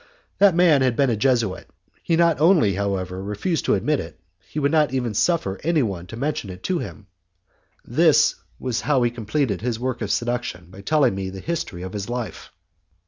That man had been a Jesuit. He not only, however, refused to admit it, but he would not even suffer anyone to mention it to him. This is how he completed his work of seduction by telling me the history of his life.